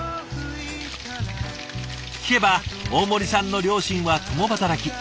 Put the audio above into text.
聞けば大森さんの両親は共働き。